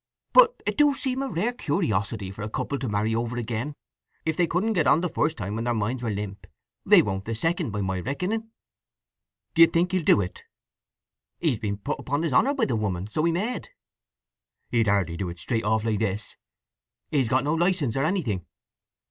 "But it do seem a rare curiosity for a couple to marry over again! If they couldn't get on the first time when their minds were limp, they won't the second, by my reckoning." "Do you think he'll do it?" "He's been put upon his honour by the woman, so he med." "He'd hardly do it straight off like this. He's got no licence nor anything."